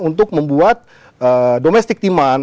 untuk membuat domestik timan